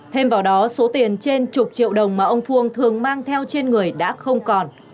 thêm vào đó số tiền trên chục triệu đồng mà ông phương thường mang theo trên người đã không còn